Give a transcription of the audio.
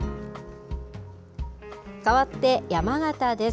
かわって、山形です。